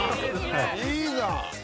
いいじゃん！